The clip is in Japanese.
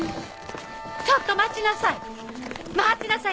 ちょっと待ちなさい！